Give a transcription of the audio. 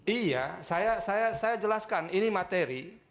iya saya jelaskan ini materi